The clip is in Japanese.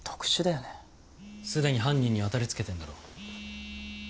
すでに犯人に当たりつけてんだろ。